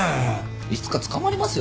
いつか捕まりますよ